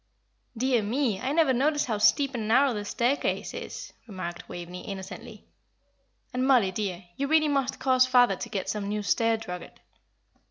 "Dear me, I never noticed how steep and narrow the staircase is!" remarked Waveney, innocently. "And Mollie, dear, you really must cause father to get some new stair drugget.